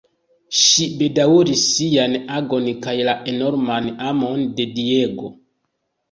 Ŝi bedaŭris sian agon kaj la enorman amon de Diego.